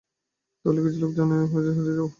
তাহলে কিছু লোক জন নিয়ে হেটে যাও।